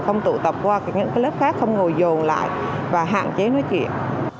không tụ tập qua những lớp khác không ngồi giồn lại và hạn chế nói chuyện